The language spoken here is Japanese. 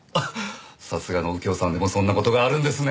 さすがの右京さんでもそんな事があるんですね。